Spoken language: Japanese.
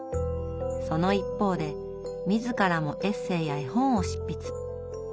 その一方で自らもエッセーや絵本を執筆。